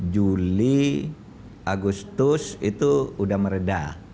juli agustus itu sudah meredah